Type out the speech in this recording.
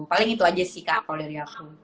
paling itu aja sih kak kalau dari aku